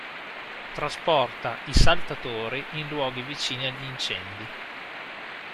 Trasporta i "Saltatori" in luoghi vicini agli incendi.